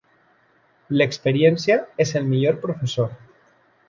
L'experiència és el millor professor.